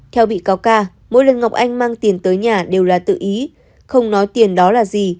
theo bị cáo ca mỗi lần ngọc anh mang tiền tới nhà đều là tự ý không nói tiền đó là gì